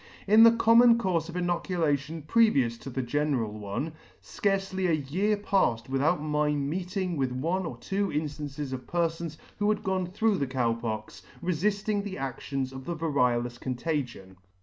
In the common courfe of inoculation previous to the general one, fcarcely a year paffed without my meeting with one or two inftances of perfons who had gone through the Cow Pox, refilling the adion of the variolous con tagion.